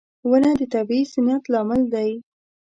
• ونه د طبیعي زینت لامل دی.